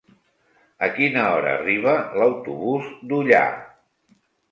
A quina hora arriba l'autobús d'Ullà?